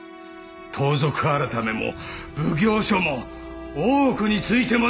盗賊改も奉行所も大奥についてもだ！